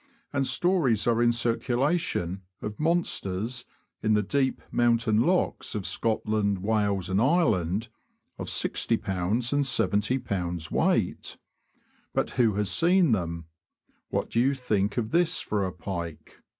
and stories are in circulation of monsters, in the deep mountain lochs of Scotland, Wales, and Ireland, of 6olb. and yolb. weight. But who has seen them ? What do you think of this for a pike